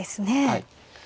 はい。